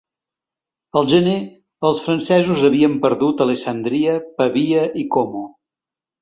Al gener, els francesos havien perdut Alessandria, Pavia i Como.